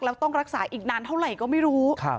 แล้วต้องรักษาอีกนานเท่าไหร่ก็ไม่รู้